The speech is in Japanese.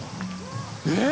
えっ？